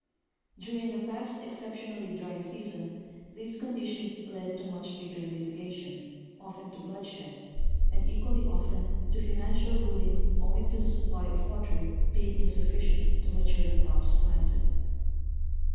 During the past exceptionally dry season these conditions led to much bitter litigation, often to bloodshed, and equally often to financial ruin owing to the Sunny of water being insufficient to mature the crops planted.